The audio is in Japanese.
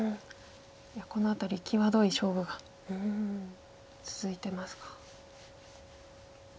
いやこの辺り際どい勝負が続いてますか。